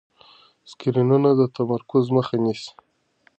سکرینونه د تمرکز مخه نیسي.